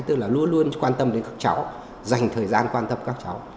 tức là luôn luôn quan tâm đến các cháu dành thời gian quan tâm các cháu